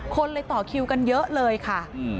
คนเลยต่อคิวกันเยอะเลยค่ะ